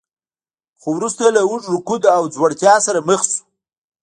خو وروسته له اوږده رکود او ځوړتیا سره مخ شو.